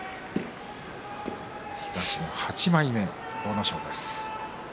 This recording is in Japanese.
東の８枚目の阿武咲です。